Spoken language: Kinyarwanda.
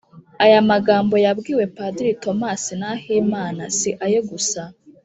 Aya magambo yabwiwe Padiri Thomas Nahimana, si aye gusa.